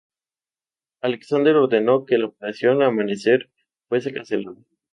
Alexander ordenó que la Operación Amanecer fuese cancelada.